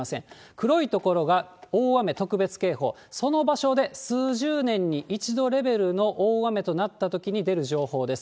黒い所が大雨特別警報、その場所で数十年に一度レベルの大雨となったときに出る情報です。